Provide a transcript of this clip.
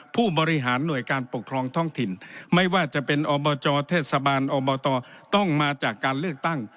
ผู้บริหารหน่วยการปกครองท้องถิ่นไม่ว่าจะเป็นอบจเทศบาลอบตต้องมาจากการเลือกตั้ง